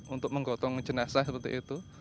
untuk menggotong jenazah seperti itu